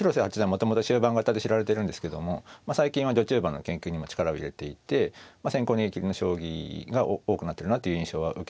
もともと終盤型で知られてるんですけども最近は序中盤の研究にも力を入れていて先行逃げきりの将棋が多くなってるなという印象は受けますね。